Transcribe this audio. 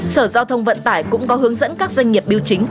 sở giao thông vận tải cũng có hướng dẫn các doanh nghiệp biêu chính